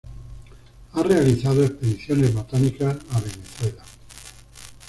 Ha realizado expediciones botánicas a Venezuela